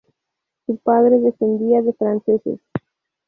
Su padre descendía de franceses.